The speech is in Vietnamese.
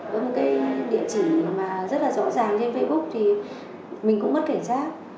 với một địa chỉ rất rõ ràng trên facebook thì mình cũng mất cảnh sát